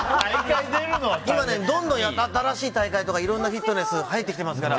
今どんどん新しい大会とかフィットネスが出てきてますから。